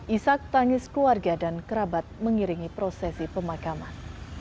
isak tangis keluarga dan kerabat mengiringi prosesi pemakaman